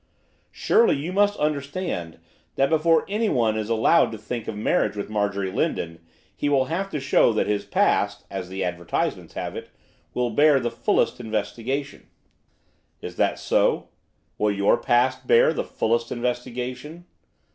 'Surely you must understand that before anyone is allowed to think of marriage with Marjorie Lindon he will have to show that his past, as the advertisements have it, will bear the fullest investigation.' 'Is that so? Will your past bear the fullest investigation?